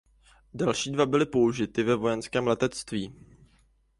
Další dva byly použity ve vojenském letectví.